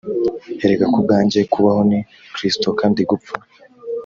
erega ku bwanjye kubaho ni kristo kandi gupfa